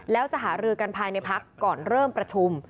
แล้วจะหารือกันภายในพักก่อนเริ่มประชุม